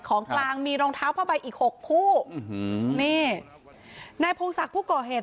ของกลางมีรองเท้าผ้าใบอีกหกคู่อื้อหือนี่นายพงศักดิ์ผู้ก่อเหตุ